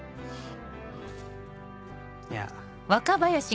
いや。